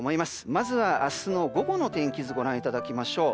まずは明日の午後の天気図をご覧いただきましょう。